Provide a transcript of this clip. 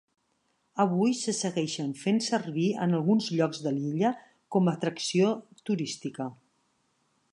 Avui se segueixen fent servir en alguns llocs de l'illa com a atracció turística.